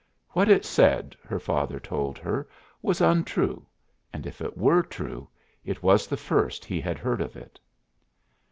What it said, her father told her, was untrue, and if it were true it was the first he had heard of it.